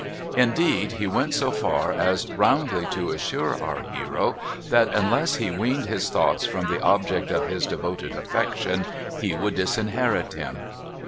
Indeed he went so far as roundly to assure our hero that unless he weaned his thoughts from the object of his devoted affection, he would disinherit him.